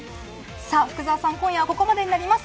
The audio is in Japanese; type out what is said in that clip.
さあ福澤さん今夜はここまでになります